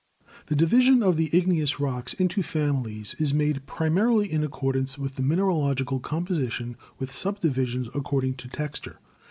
The division of the igneous rocks into families is made primarily in accordance with the mineralogical composi tion, with subdivisions according to texture.